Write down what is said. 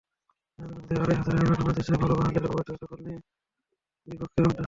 নারায়ণগঞ্জের আড়াইহাজারে মেঘনা নদীতে বালুমহালের অবৈধ দখল নিয়ে দুই পক্ষের মধ্যে সংঘর্ষ হয়েছে।